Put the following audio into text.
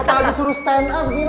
apalagi disuruh stand up gila